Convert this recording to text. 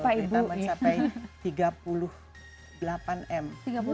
kita mencapai tiga puluh delapan m